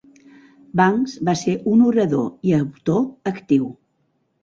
Banks va ser un orador i autor actiu.